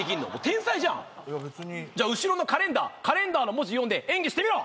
天才じゃんいや別にじゃあ後ろのカレンダーカレンダーの文字読んで演技してみろ！